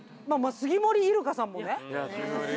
杉森イルカさんも。